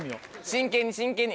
真剣に真剣に。